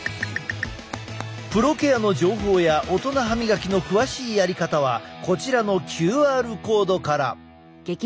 プロケアの情報やオトナ歯みがきの詳しいやり方はこちらのＱＲコードから。